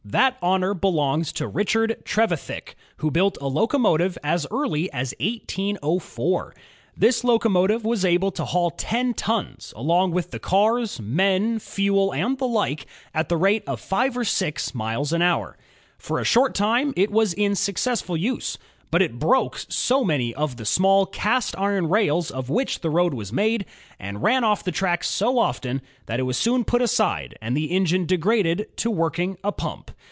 That honor belongs to Richard Trevithick, who built a loco motive as early as 1804. This locomotive was able to haul ten tons, along with the cars, men, fuel, and the like, at the rate of five or six miles an hour. For a short time it was in successful use. But it broke so many of the small cast iron rails of which the road was made, and ran off the track so often, that it was soon put aside and the engine degraded to working a pump.